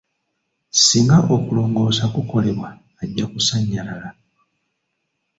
Singa okulongoosa kukolebwa ajja kusanyalala.